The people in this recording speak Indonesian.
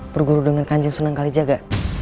berburu dengan kanjeng sunan kalijaga